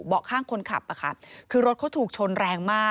ข้างคนขับคือรถเขาถูกชนแรงมาก